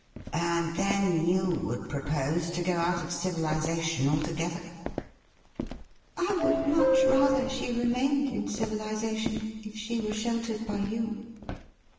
' And then you would propose to go out of civilization altogether .?'* I COULD HAVE LOVED YOU' 111 ' I would much rather she remained in civilization, if she were sheltered by you.'